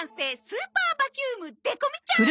スーパーバキュームデコ美ちゃん！